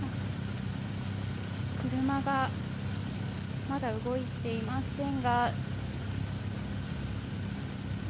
車がまだ動いていませんが。